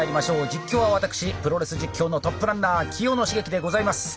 実況は私プロレス実況のトップランナー清野茂樹でございます。